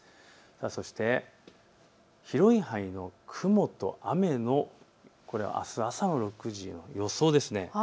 そして広い範囲の雲と雨のあす朝の６時の予想です。